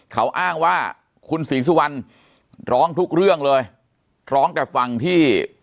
เขาอ้างว่าคุณศรีสุวรรณร้องทุกเรื่องเลยร้องแต่ฟังที่